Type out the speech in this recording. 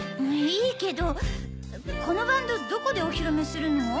いいけどこのバンドどこでお披露目するの？